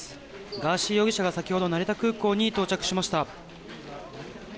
ガーシー容疑者が先ほど成田空港に到着しました。